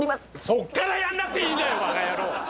そこからやんなくていいんだよばか野郎。